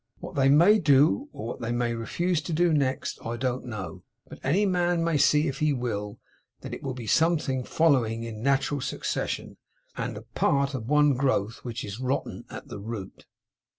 What they may do, or what they may refuse to do next, I don't know; but any man may see if he will, that it will be something following in natural succession, and a part of one great growth, which is rotten at the root.